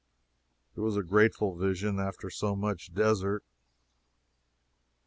It was a grateful vision, after so much desert.